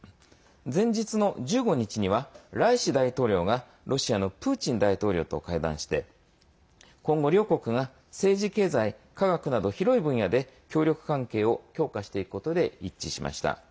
前日の１５日にはライシ大統領がロシアのプーチン大統領と会談して今後、両国が政治・経済・科学など広い分野で協力関係を強化していくことで一致しました。